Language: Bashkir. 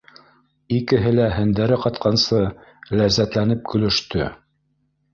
Икеһе лә һендәре ҡатҡансы ләззәтләнеп көлөштө